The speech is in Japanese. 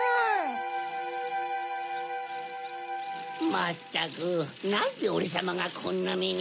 まったくなんでオレさまがこんなめに。